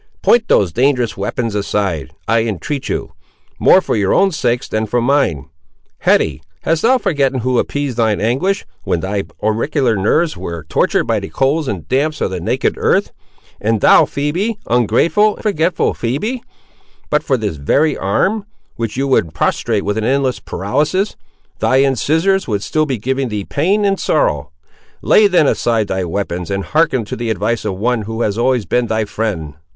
Point those dangerous weapons aside, I entreat of you; more for your own sakes, than for mine. Hetty, hast thou forgotten who appeased thine anguish when thy auricular nerves were tortured by the colds and damps of the naked earth! and thou, Phoebe, ungrateful and forgetful Phoebe! but for this very arm, which you would prostrate with an endless paralysis, thy incisores would still be giving thee pain and sorrow! Lay, then, aside thy weapons, and hearken to the advice of one who has always been thy friend.